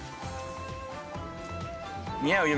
似合うよ